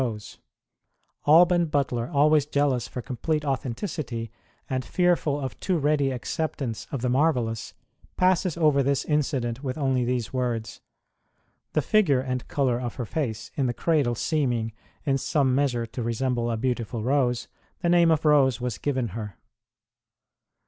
ROSE OF LIMA Alban Butler, always jealous for complete authen ticity, and fearful of too ready acceptance of the marvellous, passes over this incident with only these words : The figure and colour of her face in the cradle seeming, in some measure, to resemble a beautiful rose, the name of Rose was given her.